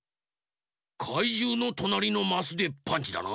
かいじゅうのとなりのマスでパンチだな。